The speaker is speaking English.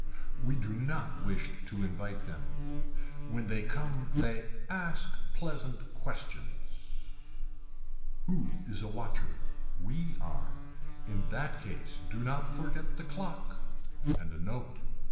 We do not wish to invite them. When they come they ask pleasant questions. Who is a watcher. We are. In that case do not forget the clock. And a note.